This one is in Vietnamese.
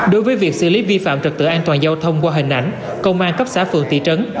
đối với việc xử lý vi phạm trật tự an toàn giao thông qua hình ảnh công an cấp xã phường thị trấn